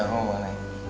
tapi tia om